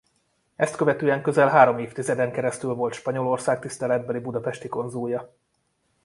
Ezt követően közel három évtizeden keresztül volt Spanyolország tiszteletbeli budapesti konzulja.